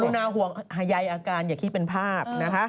รุนาห่วงไหยายอาการอย่าคิดเป็นภาพ